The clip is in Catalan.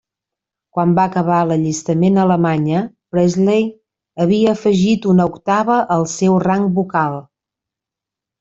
Quan va acabar l'allistament a Alemanya, Presley havia afegit una octava al seu rang vocal.